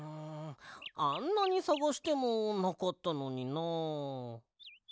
あんなにさがしてもなかったのにな。